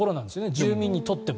住民にとっても。